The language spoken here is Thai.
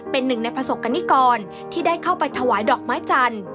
เป็นหนึ่งในประสบกรณิกรที่ได้เข้าไปถวายดอกไม้จันทร์